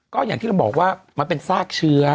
ก็อย่างที่เราบอกว่ามันเป็นซากเชื้อ